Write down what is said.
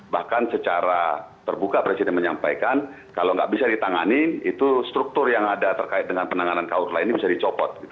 bahkan secara terbuka presiden menyampaikan kalau nggak bisa ditangani itu struktur yang ada terkait dengan penanganan kaur lain ini bisa dicopot